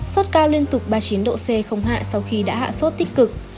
sốt cao liên tục ba mươi chín độ c không hạ sau khi đã hạ sốt tích cực